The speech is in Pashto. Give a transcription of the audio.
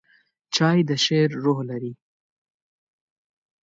چای د شعر روح لري.